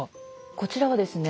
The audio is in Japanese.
こちらはですね